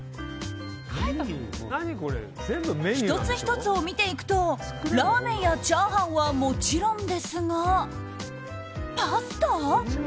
１つ１つを見ていくとラーメンやチャーハンはもちろんですがパスタ？